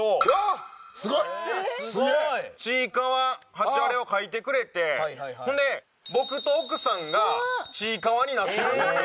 ハチワレを描いてくれてほんで僕と奥さんがちいかわになってるんですよ。